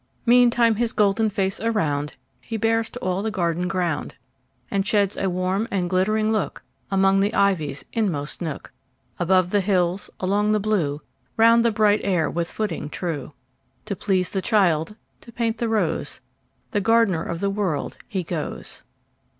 Meantime his golden face aroundHe bears to all the garden ground, And sheds a warm and glittering lookAmong the ivy's inmost nook. Above the hills, along the blue, Round the bright air with footing true, To please the child, to paint the rose, The gardener of the World, he goes.